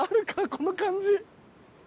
この感じ。